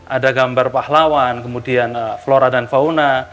ada gambar pahlawan kemudian flora dan fauna